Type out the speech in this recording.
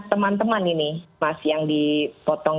teman teman ini mas yang dipotong